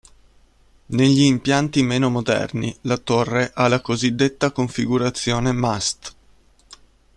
Negli impianti meno moderni, la torre ha la cosiddetta configurazione mast.